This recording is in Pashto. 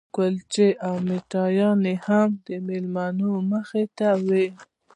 کلچې او میټایانې هم د مېلمنو مخې ته وې.